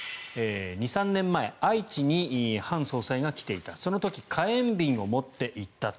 ２３年前愛知にハン総裁が来ていたその時、火炎瓶を持っていった。